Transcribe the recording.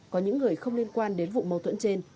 có những người không liên quan đến vụ mâu thuẫn trên